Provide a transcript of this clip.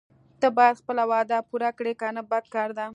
ته باید خپله وعده پوره کړې کنه بد کار ده.